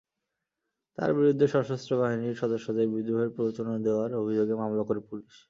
তাঁর বিরুদ্ধে সশস্ত্র বাহিনীর সদস্যদের বিদ্রোহের প্ররোচনা দেওয়ার অভিযোগে মামলা করে পুলিশ।